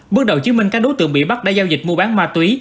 bước đầu chí minh các đối tượng bị bắt đã giao dịch mua bán ma túy